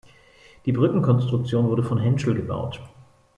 Die Brückenkonstruktion wurde von Henschel gebaut.